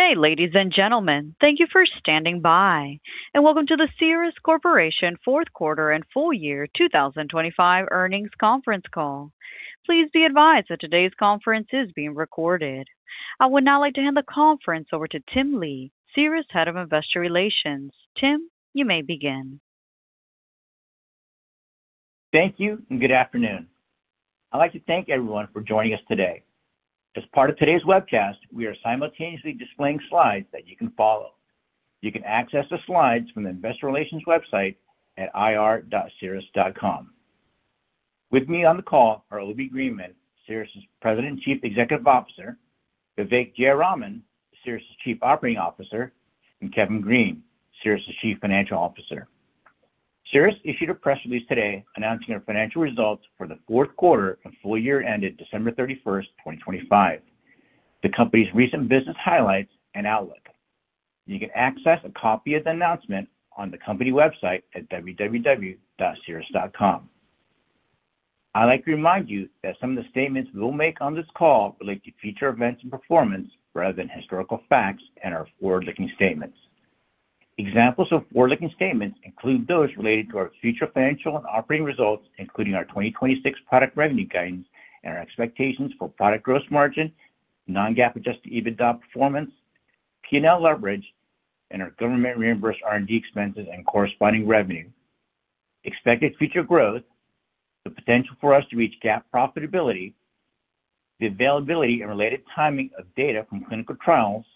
Good day, ladies and gentlemen. Thank you for standing by. Welcome to the Cerus Corporation fourth quarter and full year 2025 earnings conference call. Please be advised that today's conference is being recorded. I would now like to hand the conference over to Tim Lee, Cerus' Head of Investor Relations. Tim, you may begin. Thank you. Good afternoon. I'd like to thank everyone for joining us today. As part of today's webcast, we are simultaneously displaying slides that you can follow. You can access the slides from the Investor Relations website at ir.cerus.com. With me on the call are William Greenman, Cerus' President and Chief Executive Officer, Vivek Jayaraman, Cerus' Chief Operating Officer, and Kevin Green, Cerus' Chief Financial Officer. Cerus issued a press release today announcing our financial results for the fourth quarter and full year ended December 31st, 2025, the company's recent business highlights and outlook. You can access a copy of the announcement on the company website at www.cerus.com. I'd like to remind you that some of the statements we will make on this call relate to future events and performance rather than historical facts and are forward-looking statements. Examples of forward-looking statements include those related to our future financial and operating results, including our 2026 product revenue guidance and our expectations for product gross margin, non-GAAP adjusted EBITDA performance, P&L leverage, and our government reimbursed R&D expenses and corresponding revenue. Expected future growth, the potential for us to reach GAAP profitability, the availability and related timing of data from clinical trials,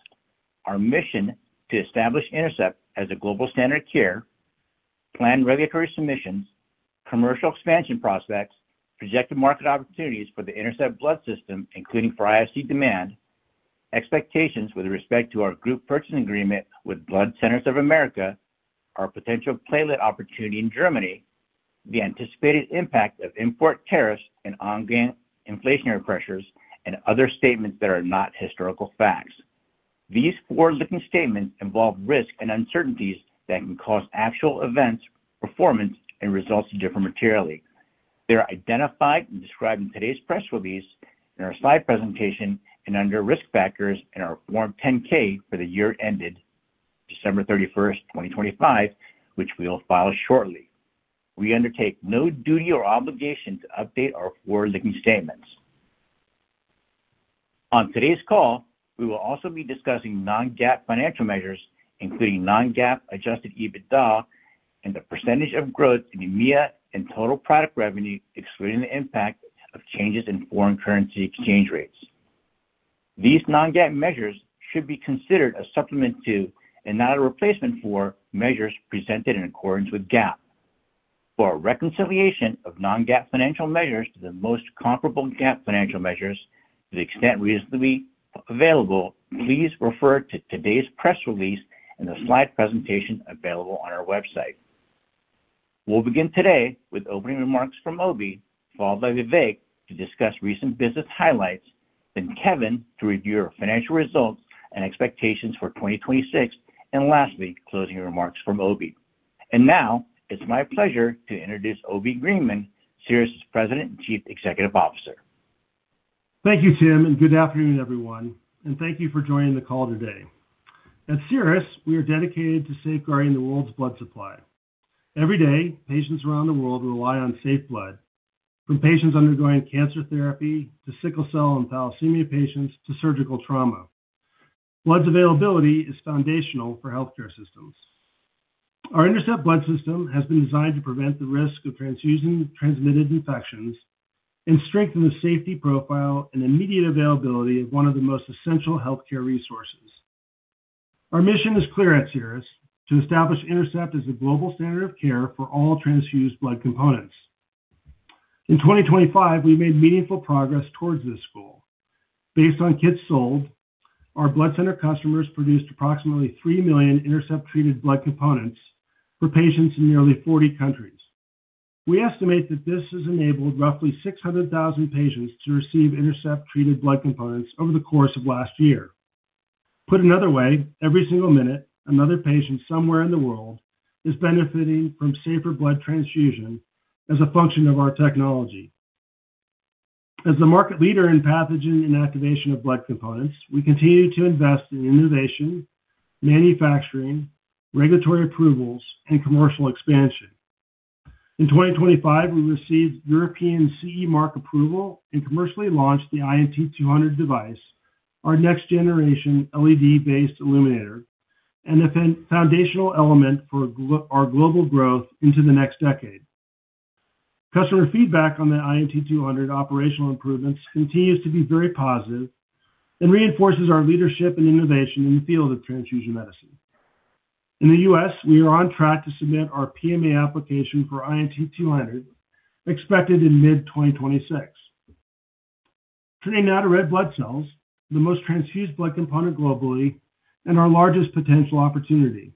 our mission to establish INTERCEPT as a global standard of care, planned regulatory submissions, commercial expansion prospects, projected market opportunities for the INTERCEPT Blood System, including for IFC demand, expectations with respect to our group purchasing agreement with Blood Centers of America, our potential platelet opportunity in Germany, the anticipated impact of import tariffs and ongoing inflationary pressures, and other statements that are not historical facts. These forward-looking statements involve risks and uncertainties that can cause actual events, performance, and results to differ materially. They are identified and described in today's press release, in our slide presentation, and under risk factors in our Form 10-K for the year ended December 31st, 2025, which we will file shortly. We undertake no duty or obligation to update our forward-looking statements. On today's call, we will also be discussing non-GAAP financial measures, including non-GAAP adjusted EBITDA and the % of growth in EMEA and total product revenue, excluding the impact of changes in foreign currency exchange rates. These non-GAAP measures should be considered a supplement to, and not a replacement for, measures presented in accordance with GAAP. For a reconciliation of non-GAAP financial measures to the most comparable GAAP financial measures to the extent reasonably available, please refer to today's press release and the slide presentation available on our website. We'll begin today with opening remarks from Obi, followed by Vivek to discuss recent business highlights, then Kevin to review our financial results and expectations for 2026, and lastly, closing remarks from Obi. Now it's my pleasure to introduce William Greenman, Cerus' President and Chief Executive Officer. Thank you, Tim, good afternoon, everyone, and thank you for joining the call today. At Cerus, we are dedicated to safeguarding the world's blood supply. Every day, patients around the world rely on safe blood, from patients undergoing cancer therapy to sickle cell and thalassemia patients to surgical trauma. Blood's availability is foundational for healthcare systems. Our INTERCEPT Blood System has been designed to prevent the risk of transfusion transmitted infections and strengthen the safety profile and immediate availability of one of the most essential healthcare resources. Our mission is clear at Cerus: To establish INTERCEPT as the global standard of care for all transfused blood components. In 2025, we made meaningful progress towards this goal. Based on kits sold, our blood center customers produced approximately 3 million INTERCEPT-treated blood components for patients in nearly 40 countries. We estimate that this has enabled roughly 600,000 patients to receive INTERCEPT-treated blood components over the course of last year. Put another way, every single minute, another patient somewhere in the world is benefiting from safer blood transfusion as a function of our technology. As the market leader in pathogen inactivation of blood components, we continue to invest in innovation, manufacturing, regulatory approvals, and commercial expansion. In 2025, we received European CE mark approval and commercially launched the INT200 device, our next-generation LED-based illuminator and a foundational element for our global growth into the next decade. Customer feedback on the INT200 operational improvements continues to be very positive and reinforces our leadership and innovation in the field of transfusion medicine. In the U.S, we are on track to submit our PMA application for INT200, expected in mid-2026. Turning now to red blood cells, the most transfused blood component globally and our largest potential opportunity.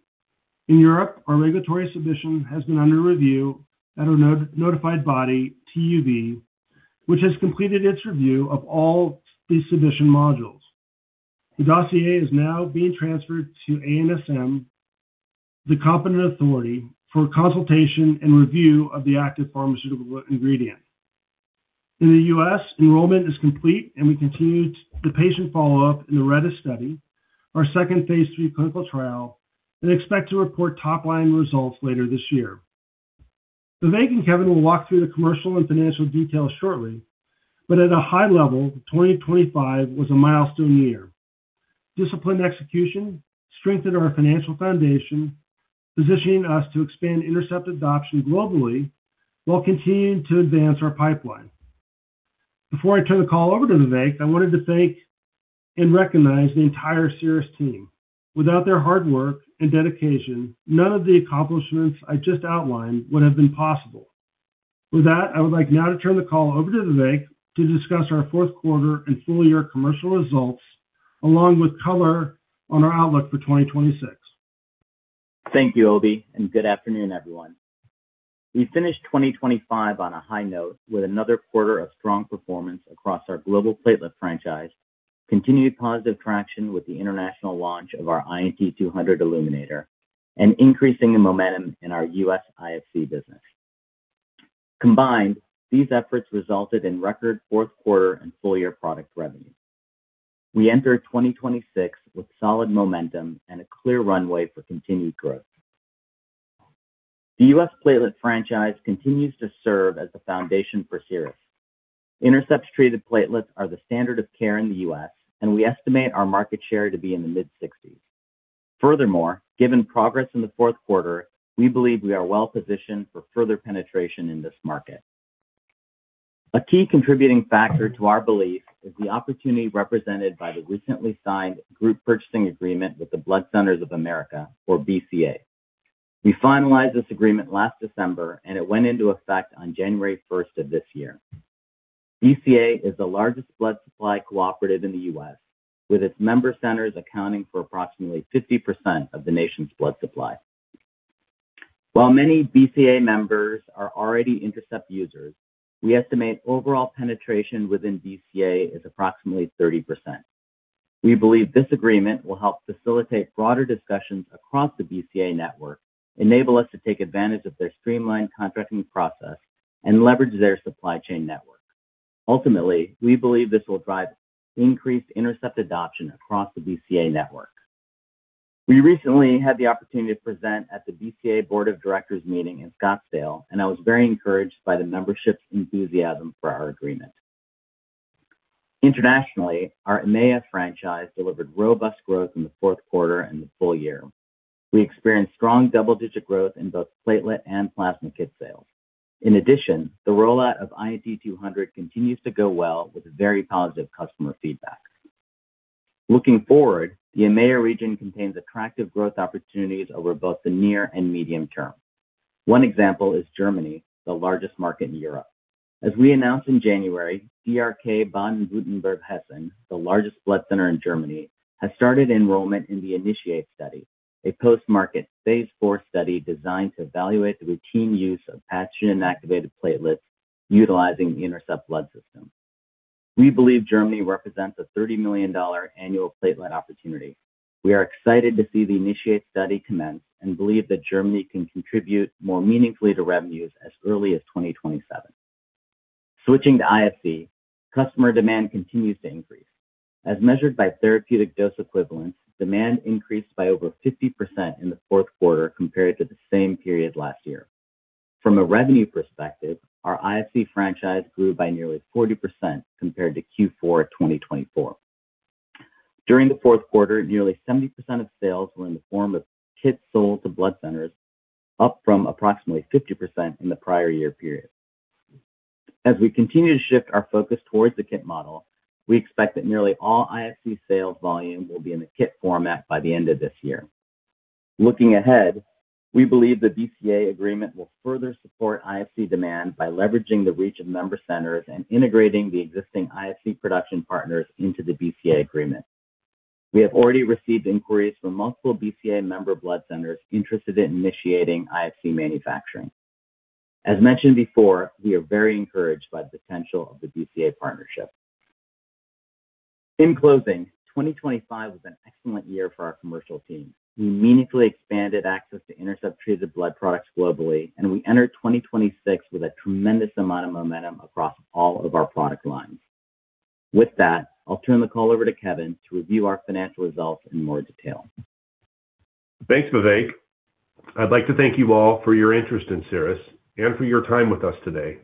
In Europe, our regulatory submission has been under review at our notified body, TÜV SÜD, which has completed its review of all the submission modules. The dossier is now being transferred to ANSM, the competent authority, for consultation and review of the active pharmaceutical ingredient. In the U.S, enrollment is complete and we continue the patient follow-up in the RedeS study, our second phase 3 clinical trial, and expect to report top-line results later this year. Vivek and Kevin will walk through the commercial and financial details shortly, but at a high level, 2025 was a milestone year. Disciplined execution strengthened our financial foundation, positioning us to expand INTERCEPT adoption globally while continuing to advance our pipeline. Before I turn the call over to Vivek, I wanted to thank and recognize the entire Cerus team. Without their hard work and dedication, none of the accomplishments I just outlined would have been possible. With that, I would like now to turn the call over to Vivek to discuss our fourth quarter and full year commercial results, along with color on our outlook for 2026. Thank you, Obi. Good afternoon, everyone. We finished 2025 on a high note with another quarter of strong performance across our global platelet franchise, continued positive traction with the international launch of our INT200 illuminator, and increasing momentum in our U.S. IFC business. Combined, these efforts resulted in record fourth quarter and full year product revenue. We entered 2026 with solid momentum and a clear runway for continued growth. The U.S. platelet franchise continues to serve as the foundation for Cerus. INTERCEPT treated platelets are the standard of care in the U.S, and we estimate our market share to be in the mid-60s. Furthermore, given progress in the fourth quarter, we believe we are well-positioned for further penetration in this market. A key contributing factor to our belief is the opportunity represented by the recently signed group purchasing agreement with the Blood Centers of America, or BCA. We finalized this agreement last December, and it went into effect on January first of this year. BCA is the largest blood supply cooperative in the U.S, with its member centers accounting for approximately 50% of the nation's blood supply. While many BCA members are already INTERCEPT users, we estimate overall penetration within BCA is approximately 30%. We believe this agreement will help facilitate broader discussions across the BCA network, enable us to take advantage of their streamlined contracting process, and leverage their supply chain network. Ultimately, we believe this will drive increased INTERCEPT adoption across the BCA network. We recently had the opportunity to present at the BCA Board of Directors meeting in Scottsdale. I was very encouraged by the membership's enthusiasm for our agreement. Internationally, our EMEA franchise delivered robust growth in the fourth quarter and the full year. We experienced strong double-digit growth in both platelet and plasma kit sales. In addition, the rollout of INT200 continues to go well with very positive customer feedback. Looking forward, the EMEA region contains attractive growth opportunities over both the near and medium term. One example is Germany, the largest market in Europe. As we announced in January, DRK Baden-Württemberg - Hessen, the largest blood center in Germany, has started enrollment in the INITIATE study, a post-market phase 4 study designed to evaluate the routine use of pathogen-inactivated platelets utilizing the INTERCEPT Blood System. We believe Germany represents a $30 million annual platelet opportunity. We are excited to see the INITIATE study commence and believe that Germany can contribute more meaningfully to revenues as early as 2027. Switching to IFC, customer demand continues to increase. As measured by therapeutic dose equivalents, demand increased by over 50% in the fourth quarter compared to the same period last year. From a revenue perspective, our IFC franchise grew by nearly 40% compared to Q4 2024. During the fourth quarter, nearly 70% of sales were in the form of kits sold to blood centers, up from approximately 50% in the prior year period. As we continue to shift our focus towards the kit model, we expect that nearly all IFC sales volume will be in the kit format by the end of this year. Looking ahead, we believe the BCA agreement will further support IFC demand by leveraging the reach of member centers and integrating the existing IFC production partners into the BCA agreement. We have already received inquiries from multiple BCA member blood centers interested in initiating IFC manufacturing. As mentioned before, we are very encouraged by the potential of the BCA partnership. In closing, 2025 was an excellent year for our commercial team. We meaningfully expanded access to INTERCEPT treated blood products globally. We entered 2026 with a tremendous amount of momentum across all of our product lines. With that, I'll turn the call over to Kevin to review our financial results in more detail. Thanks, Vivek. I'd like to thank you all for your interest in Cerus and for your time with us today.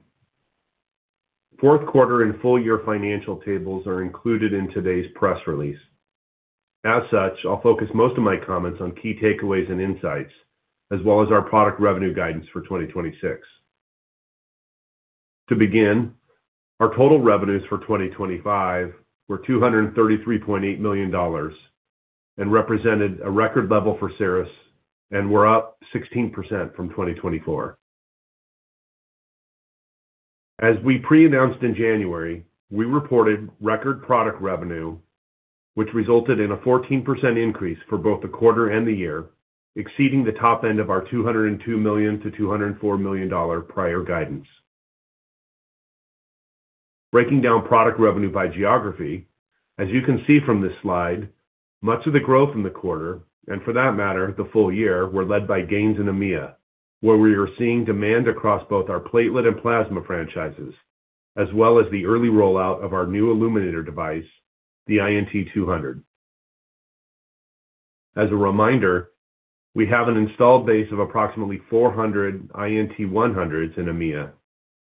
Fourth quarter and full year financial tables are included in today's press release. As such, I'll focus most of my comments on key takeaways and insights, as well as our product revenue guidance for 2026. To begin, our total revenues for 2025 were $233.8 million and represented a record level for Cerus and were up 16% from 2024. As we pre-announced in January, we reported record product revenue, which resulted in a 14% increase for both the quarter and the year, exceeding the top end of our $202 million-$204 million prior guidance. Breaking down product revenue by geography. As you can see from this slide, much of the growth in the quarter, and for that matter, the full year, were led by gains in EMEA, where we are seeing demand across both our platelet and plasma franchises, as well as the early rollout of our new illuminator device, the INT200. As a reminder, we have an installed base of approximately 400 INT-100s in EMEA,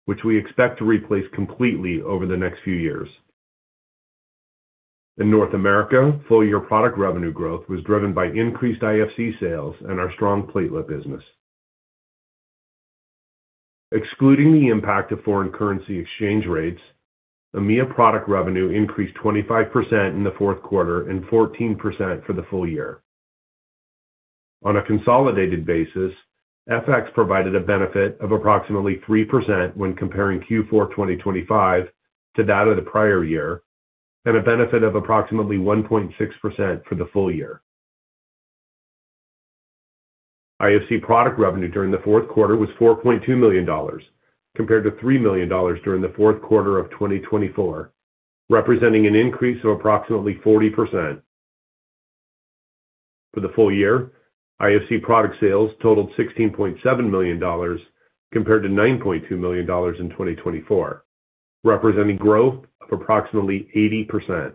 which we expect to replace completely over the next few years. In North America, full year product revenue growth was driven by increased IFC sales and our strong platelet business. Excluding the impact of foreign currency exchange rates, EMEA product revenue increased 25% in the fourth quarter and 14% for the full year. On a consolidated basis, FX provided a benefit of approximately 3% when comparing Q4 2025 to that of the prior year, and a benefit of approximately 1.6% for the full year. IFC product revenue during the fourth quarter was $4.2 million compared to $3 million during the fourth quarter of 2024, representing an increase of approximately 40%. For the full year, IFC product sales totaled $16.7 million compared to $9.2 million in 2024, representing growth of approximately 80%.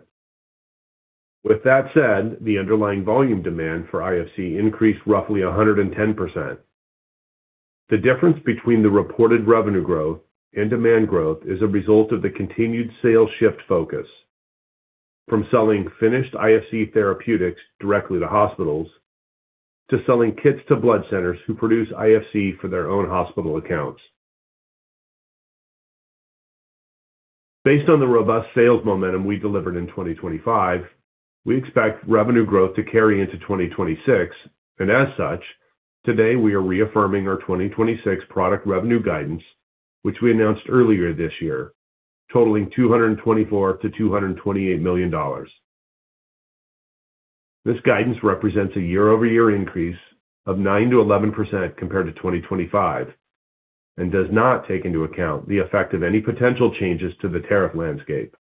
With that said, the underlying volume demand for IFC increased roughly 110%. The difference between the reported revenue growth and demand growth is a result of the continued sales shift focus from selling finished IFC therapeutics directly to hospitals to selling kits to blood centers who produce IFC for their own hospital accounts. Based on the robust sales momentum we delivered in 2025, we expect revenue growth to carry into 2026, and as such, today we are reaffirming our 2026 product revenue guidance, which we announced earlier this year totaling $224 million-$228 million. This guidance represents a year-over-year increase of 9%-11% compared to 2025 and does not take into account the effect of any potential changes to the tariff landscape.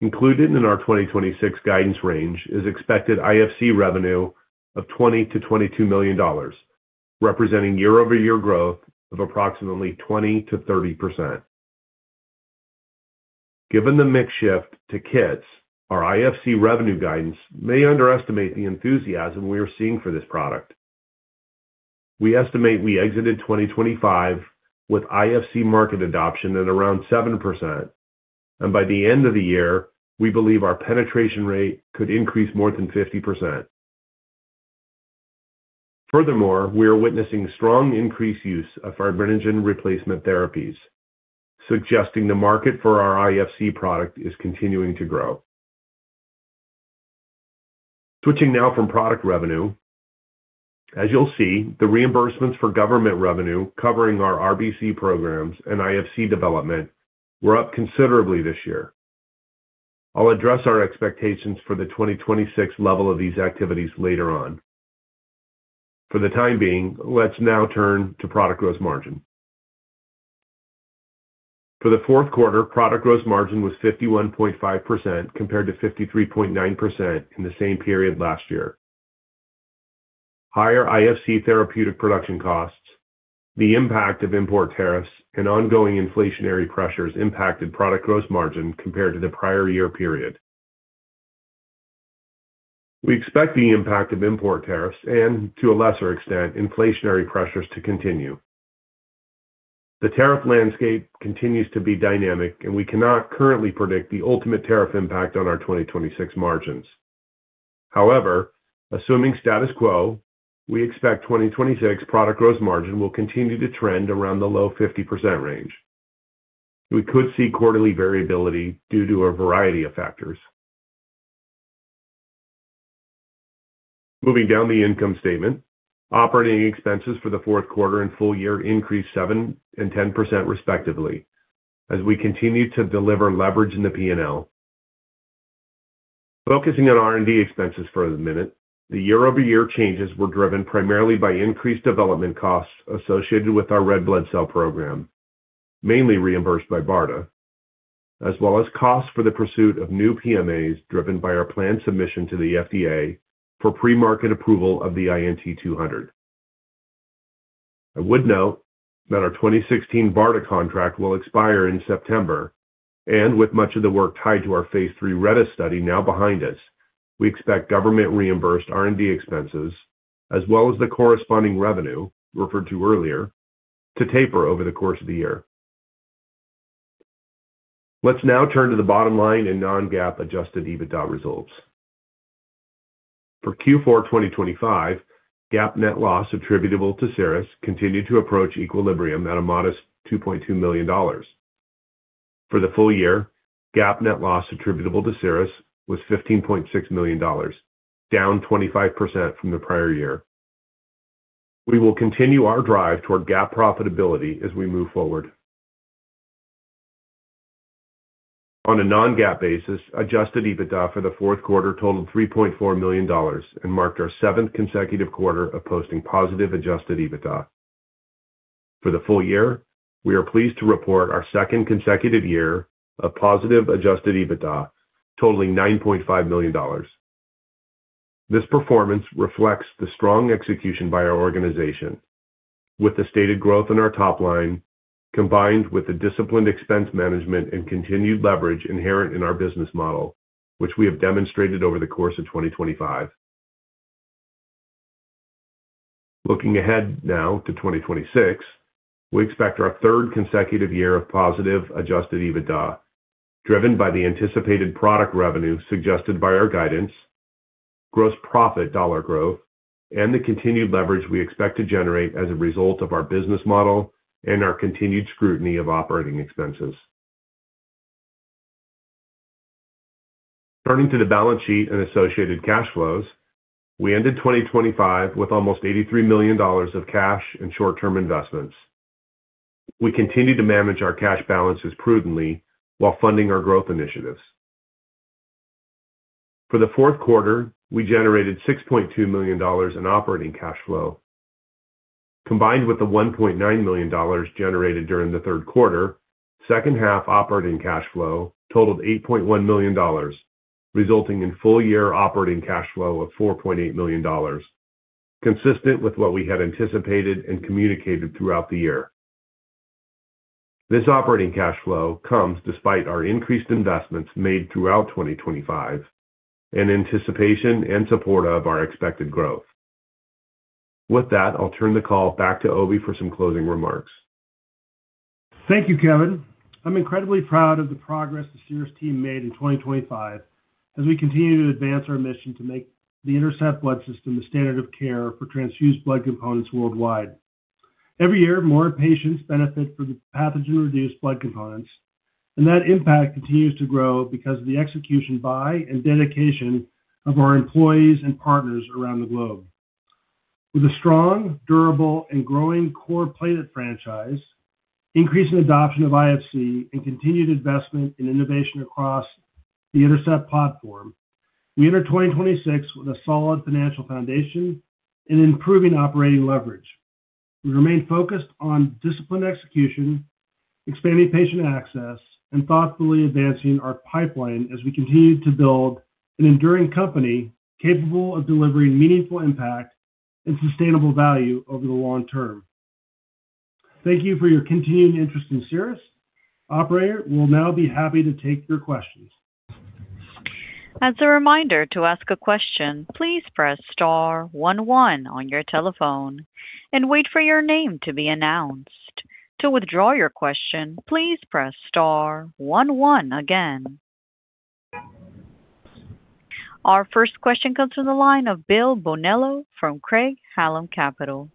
Included in our 2026 guidance range is expected IFC revenue of $20 million-$22 million, representing year-over-year growth of approximately 20%-30%. Given the mix shift to kits, our IFC revenue guidance may underestimate the enthusiasm we are seeing for this product. We estimate we exited 2025 with IFC market adoption at around 7%, and by the end of the year, we believe our penetration rate could increase more than 50%. Furthermore, we are witnessing strong increased use of fibrinogen replacement therapies, suggesting the market for our IFC product is continuing to grow. Switching now from product revenue. As you'll see, the reimbursements for government revenue covering our RBC programs and IFC development were up considerably this year. I'll address our expectations for the 2026 level of these activities later on. For the time being, let's now turn to product gross margin. For the fourth quarter, product gross margin was 51.5% compared to 53.9% in the same period last year. Higher IFC therapeutic production costs, the impact of import tariffs, and ongoing inflationary pressures impacted product gross margin compared to the prior year period. We expect the impact of import tariffs and to a lesser extent, inflationary pressures to continue. The tariff landscape continues to be dynamic and we cannot currently predict the ultimate tariff impact on our 2026 margins. However, assuming status quo, we expect 2026 product gross margin will continue to trend around the low 50% range. We could see quarterly variability due to a variety of factors. Moving down the income statement. Operating expenses for the fourth quarter and full year increased 7% and 10% respectively, as we continue to deliver leverage in the P&L. Focusing on R&D expenses for a minute. The year-over-year changes were driven primarily by increased development costs associated with our red blood cell program, mainly reimbursed by BARDA, as well as costs for the pursuit of new PMAs driven by our planned submission to the FDA for pre-market approval of the INT200. I would note that our 2016 BARDA contract will expire in September. With much of the work tied to our Phase 3 RedeS study now behind us, we expect government reimbursed R&D expenses as well as the corresponding revenue referred to earlier, to taper over the course of the year. Let's now turn to the bottom line in non-GAAP adjusted EBITDA results. For Q4 2025, GAAP net loss attributable to Cerus continued to approach equilibrium at a modest $2.2 million. For the full year, GAAP net loss attributable to Cerus was $15.6 million, down 25% from the prior year. We will continue our drive toward GAAP profitability as we move forward. On a non-GAAP basis, adjusted EBITDA for the fourth quarter totaled $3.4 million and marked our seventh consecutive quarter of posting positive adjusted EBITDA. For the full year, we are pleased to report our second consecutive year of positive adjusted EBITDA totaling $9.5 million. This performance reflects the strong execution by our organization with the stated growth in our top line, combined with the disciplined expense management and continued leverage inherent in our business model, which we have demonstrated over the course of 2025. Looking ahead now to 2026, we expect our third consecutive year of positive adjusted EBITDA, driven by the anticipated product revenue suggested by our guidance, gross profit dollar growth, and the continued leverage we expect to generate as a result of our business model and our continued scrutiny of operating expenses. Turning to the balance sheet and associated cash flows, we ended 2025 with almost $83 million of cash and short-term investments. We continue to manage our cash balances prudently while funding our growth initiatives. For the fourth quarter, we generated $6.2 million in operating cash flow. Combined with the $1.9 million generated during the third quarter, second half operating cash flow totaled $8.1 million, resulting in full year operating cash flow of $4.8 million, consistent with what we had anticipated and communicated throughout the year. This operating cash flow comes despite our increased investments made throughout 2025 in anticipation and support of our expected growth. With that, I'll turn the call back to Obi for some closing remarks. Thank you, Kevin. I'm incredibly proud of the progress the Cerus team made in 2025 as we continue to advance our mission to make the INTERCEPT Blood System the standard of care for transfused blood components worldwide. Every year, more patients benefit from the pathogen-reduced blood components. That impact continues to grow because of the execution by and dedication of our employees and partners around the globe. With a strong, durable and growing core platelet franchise, increasing adoption of IFC and continued investment in innovation across the INTERCEPT platform, we enter 2026 with a solid financial foundation and improving operating leverage. We remain focused on disciplined execution, expanding patient access, and thoughtfully advancing our pipeline as we continue to build an enduring company capable of delivering meaningful impact and sustainable value over the long term. Thank you for your continued interest in Cerus. Operator, we'll now be happy to take your questions. As a reminder to ask a question, please press star one one on your telephone and wait for your name to be announced. To withdraw your question, please press star one one again. Our first question comes from the line of Bill Bonello from Craig-Hallum Capital.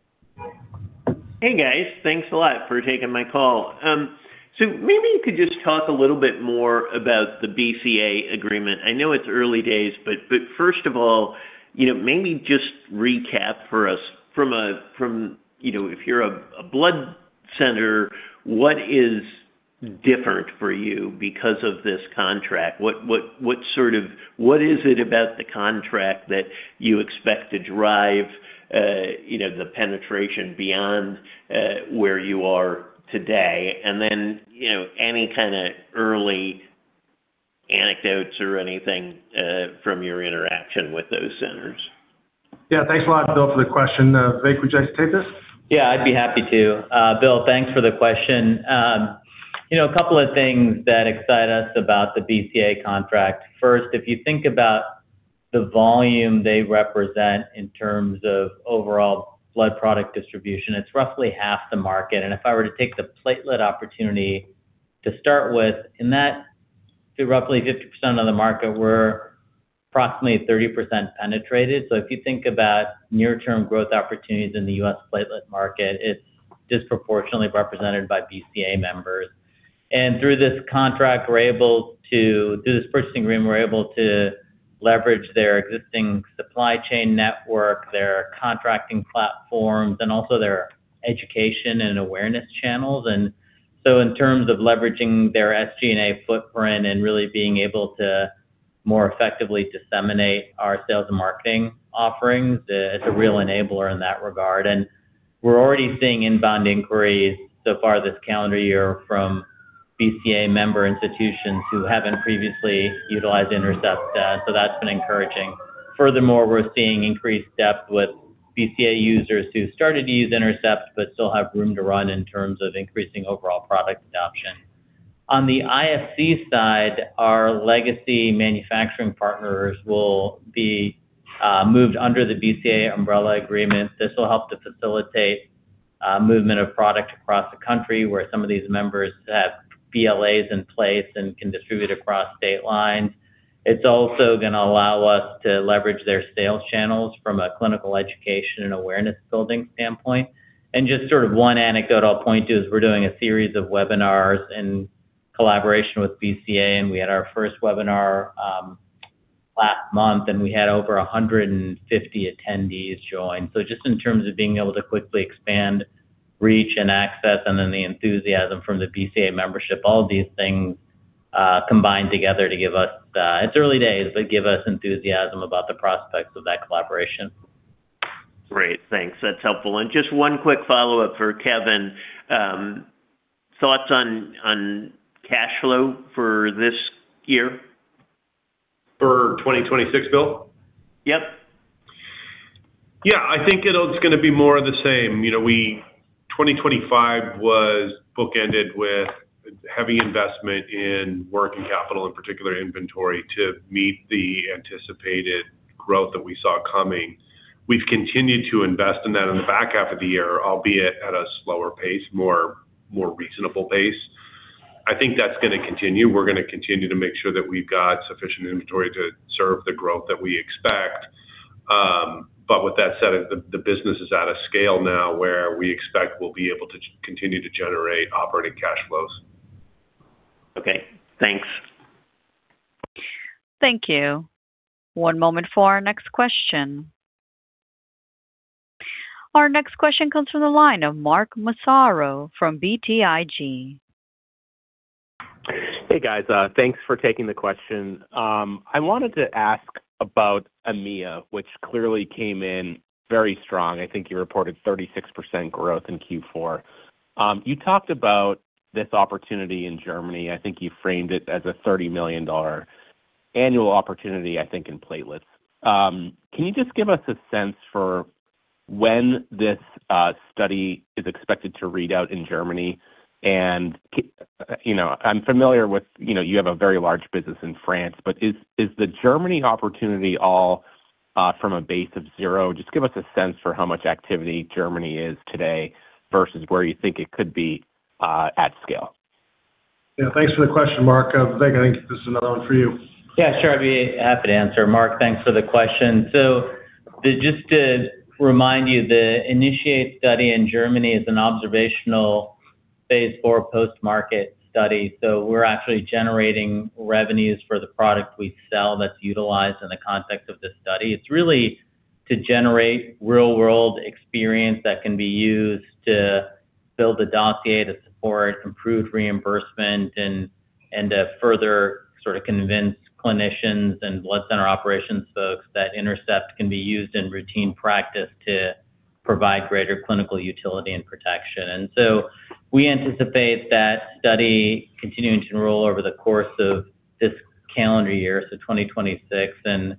Hey, guys. Thanks a lot for taking my call. Maybe you could just talk a little bit more about the BCA agreement. I know it's early days, but first of all, you know, maybe just recap for us from, you know, if you're a blood center, what is different for you because of this contract? What is it about the contract that you expect to drive, you know, the penetration beyond where you are today? Then, you know, any kind of early anecdotes or anything from your interaction with those centers. Yeah. Thanks a lot, Bill, for the question. Vic, would you like to take this? Yeah, I'd be happy to. Bill, thanks for the question. you know, a couple of things that excite us about the BCA contract. First, if you think about the volume they represent in terms of overall blood product distribution, it's roughly half the market. If I were to take the platelet opportunity to start with, in that roughly 50% of the market, we're approximately 30% penetrated. If you think about near-term growth opportunities in the U.S. platelet market, it's disproportionately represented by BCA members. Through this contract, through this purchasing agreement, we're able to leverage their existing supply chain network, their contracting platforms, and also their education and awareness channels. In terms of leveraging their SG&A footprint and really being able to more effectively disseminate our sales and marketing offerings, it's a real enabler in that regard. We're already seeing inbound inquiries so far this calendar year from BCA member institutions who haven't previously utilized INTERCEPT. That's been encouraging. Furthermore, we're seeing increased depth with BCA users who started to use INTERCEPT but still have room to run in terms of increasing overall product adoption. On the IFC side, our legacy manufacturing partners will be moved under the BCA umbrella agreement. This will help to facilitate movement of product across the country, where some of these members have BLAs in place and can distribute across state lines. It's also going to allow us to leverage their sales channels from a clinical education and awareness building standpoint. Just sort of one anecdote I'll point to is we're doing a series of webinars in collaboration with BCA, and we had our first webinar, last month, and we had over 150 attendees join. Just in terms of being able to quickly expand, reach and access and then the enthusiasm from the BCA membership, all these things combined together to give us. It's early days, but give us enthusiasm about the prospects of that collaboration. Great. Thanks. That's helpful. Just one quick follow-up for Kevin. Thoughts on cash flow for this year? For 2026, Bill? Yep. Yeah. I think, you know, it's gonna be more of the same. 2025 was bookended with heavy investment in working capital, in particular inventory, to meet the anticipated growth that we saw coming. We've continued to invest in that in the back half of the year, albeit at a slower pace, more reasonable pace. I think that's gonna continue. We're gonna continue to make sure that we've got sufficient inventory to serve the growth that we expect. With that said, the business is at a scale now where we expect we'll be able to continue to generate operating cash flows. Okay, thanks. Thank you. One moment for our next question. Our next question comes from the line of Mark Massaro from BTIG. Hey, guys. Thanks for taking the question. I wanted to ask about EMEA, which clearly came in very strong. I think you reported 36% growth in Q4. You talked about this opportunity in Germany. I think you framed it as a $30 million annual opportunity, I think in platelets. Can you just give us a sense for when this study is expected to read out in Germany? You know, I'm familiar with, you know, you have a very large business in France, but is the Germany opportunity all from a base of zero? Just give us a sense for how much activity Germany is today versus where you think it could be at scale. Yeah. Thanks for the question, Mark. Vivek, I think this is another one for you. Yeah, sure. I'd be happy to answer. Mark, thanks for the question. Just to remind you, the INITIATE study in Germany is an observational Phase 4 post-market study. It's really to generate real-world experience that can be used to build a dossier to support improved reimbursement and to further sort of convince clinicians and blood center operations folks that INTERCEPT can be used in routine practice to provide greater clinical utility and protection. We anticipate that study continuing to enroll over the course of this calendar year, 2026, and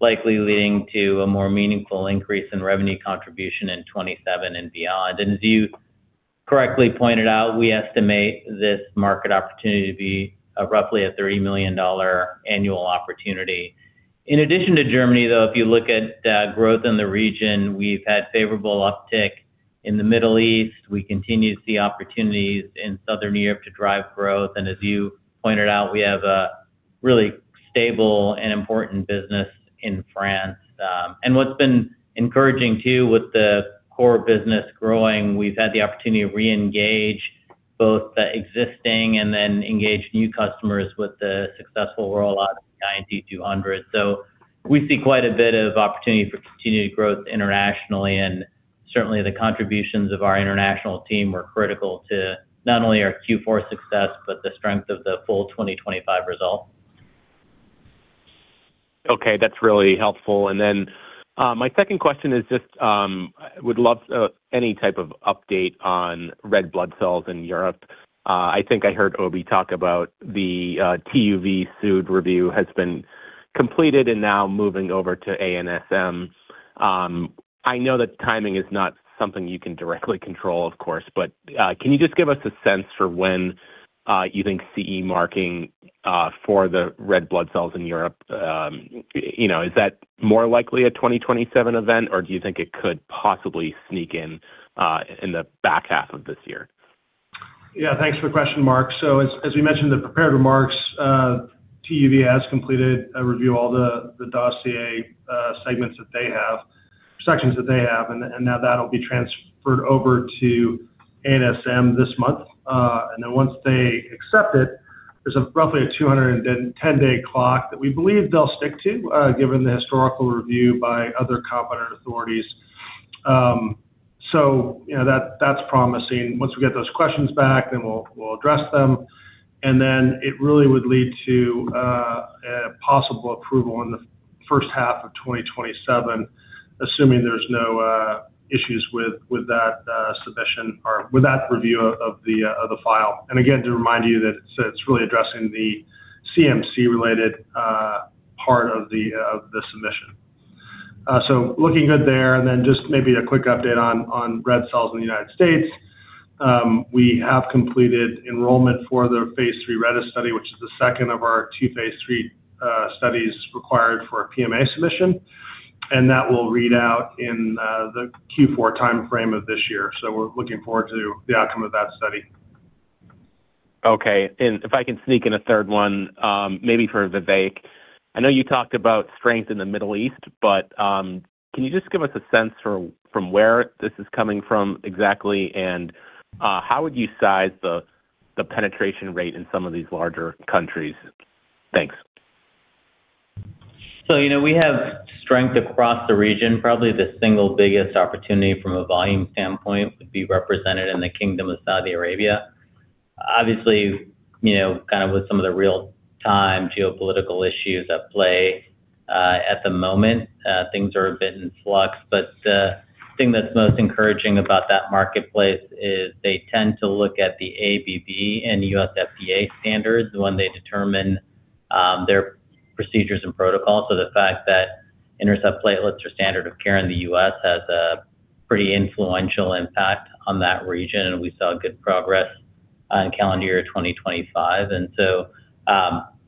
likely leading to a more meaningful increase in revenue contribution in 2027 and beyond. As you correctly pointed out, we estimate this market opportunity to be roughly a $30 million annual opportunity. In addition to Germany, though, if you look at the growth in the region, we've had favorable uptick in the Middle East. We continue to see opportunities in Southern Europe to drive growth. As you pointed out, we have a really stable and important business in France. What's been encouraging too, with the core business growing, we've had the opportunity to reengage both the existing and then engage new customers with the successful rollout of the INT200. We see quite a bit of opportunity for continued growth internationally, and certainly the contributions of our international team were critical to not only our Q4 success, but the strength of the full 2025 results. Okay, that's really helpful. My second question is just, would love any type of update on red blood cells in Europe. I think I heard Obi talk about the TÜV SÜD review has been completed and now moving over to ANSM. I know that timing is not something you can directly control, of course, but can you just give us a sense for when you think CE marking for the red blood cells in Europe, you know, is that more likely a 2027 event, or do you think it could possibly sneak in in the back half of this year? Yeah. Thanks for the question, Mark. As we mentioned in the prepared remarks, TÜV has completed a review all the dossier sections that they have, and now that'll be transferred over to ANSM this month. Once they accept it, there's a roughly a 210-day clock that we believe they'll stick to, given the historical review by other competent authorities. You know, that's promising. Once we get those questions back, then we'll address them. It really would lead to a possible approval in the first half of 2027, assuming there's no issues with that submission or with that review of the file. Again, to remind you that it's really addressing the CMC-related part of the submission. Looking good there. Just maybe a quick update on red cells in the United States. We have completed enrollment for the phase 3 RedeS study, which is the second of our two phase 3 studies required for a PMA submission, and that will read out in the Q4 timeframe of this year. We're looking forward to the outcome of that study. Okay. If I can sneak in a third one, maybe for Vivek. I know you talked about strength in the Middle East, but, can you just give us a sense for from where this is coming from exactly? How would you size the penetration rate in some of these larger countries? Thanks. you know, we have strength across the region. Probably the single biggest opportunity from a volume standpoint would be represented in the Kingdom of Saudi Arabia. Obviously, you know, kind of with some of the real-time geopolitical issues at play, things are a bit in flux. The thing that's most encouraging about that marketplace is they tend to look at the AABB and USFDA standards when they determine their procedures and protocols. The fact that INTERCEPT platelets are standard of care in the U.S. has a pretty influential impact on that region, and we saw good progress on calendar year 2025.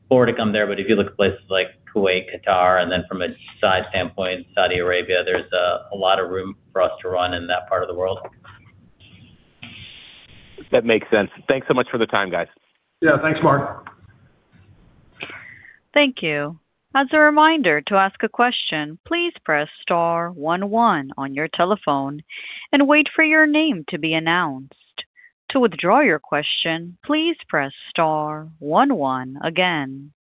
Forward to come there, but if you look at places like Kuwait, Qatar, and then from a size standpoint, Saudi Arabia, there's a lot of room for us to run in that part of the world. That makes sense. Thanks so much for the time, guys. Yeah. Thanks, Mark. Thank you. As a reminder to ask a question, please press star one one on your telephone and wait for your name to be announced. To withdraw your question, please press star one one again.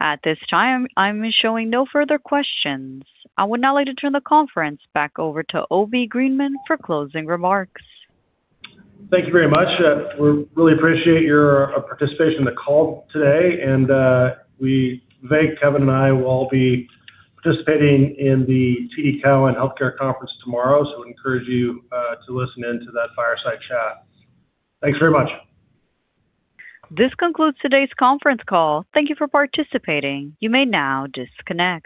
At this time, I'm showing no further questions. I would now like to turn the conference back over to William Greenman for closing remarks. Thank you very much. We really appreciate your participation in the call today. Vivek, Kevin, and I will all be participating in the TD Cowen Healthcare Conference tomorrow. Encourage you to listen in to that fireside chat. Thanks very much. This concludes today's conference call. Thank you for participating. You may now disconnect.